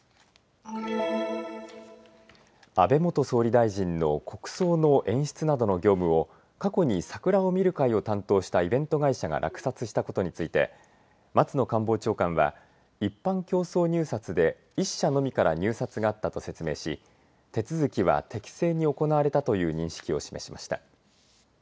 安倍元総理大臣の国葬の演出などの業務を過去に桜を見る会を担当したイベント会社が落札したことについて松野官房長官は一般競争入札で１社のみから入札があったと説明し手続きは適正に行われたという認識を示しました。